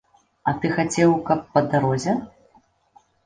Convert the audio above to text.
А ты хацеў, каб па дарозе?